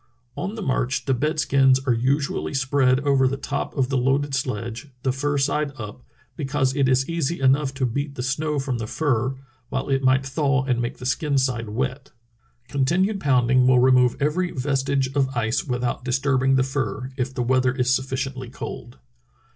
On the march the bed skins are usually spread over the top of the loaded sledge, the fur side up, because it is easy enough to beat the snow from the fur, while it might thaw and make the skin side wet. Continued pounding will remove every vestige of ice without dis turbing the fur, if the weather is sufficiently cold."